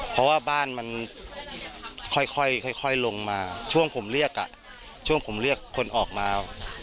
เพราะว่าบ้านมันค่อยลงมาช่วงผมเรียกช่วงผมเรียกคนออกมา